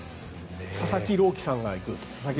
佐々木朗希さんが行く。